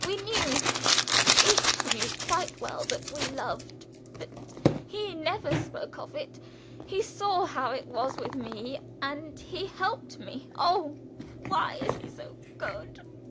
We knew each knew quite well that we loved, but he never spoke of it. He saw how it was with me and he helped me oh, why is he so good?